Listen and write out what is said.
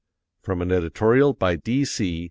_From an Editorial by D.C.